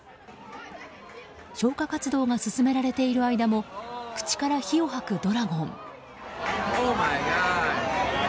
消火活動が進められている間も口から火を吐くドラゴン。